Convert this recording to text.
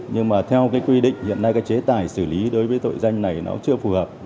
nhưng mà theo cái quy định hiện nay cái chế tài xử lý đối với tội danh này nó chưa phù hợp